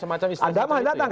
ada mah datang